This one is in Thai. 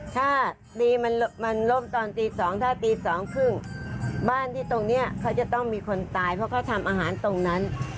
ถ้าดีมันล่มตอนตี๒ถ้าตีสองครึ่งบ้านที่ตรงนี้เขาจะต้องมีคนตายเพราะเขาทำอาหารตรงนั้น